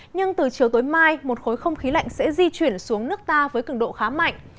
nhưng từ chiều tối mai một khối không khí lạnh sẽ di chuyển xuống nước ta với cứng độ khá mạnh